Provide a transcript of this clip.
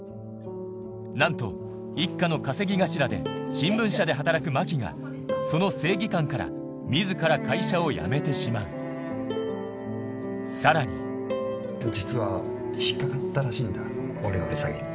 なんと一家の稼ぎ頭で新聞社で働く真希がその正義感から自ら会社を辞めてしまうさらに実は引っ掛かったらしいんだオレオレ詐欺に。